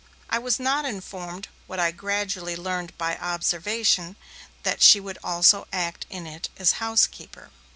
I was not informed, what I gradually learned by observation, that she would also act in it as housekeeper.